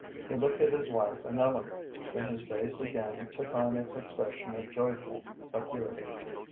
He looked at his wife and Ellen; then his face again took on its expression of joyful vacuity.